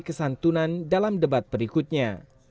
kesantunan dalam debat berikutnya